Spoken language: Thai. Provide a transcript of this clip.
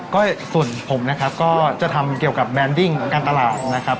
ก็ส่วนผมนะครับก็จะทำเกี่ยวกับแนนดิ้งของการตลาดนะครับ